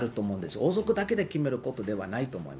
王族だけで決めることではないと思います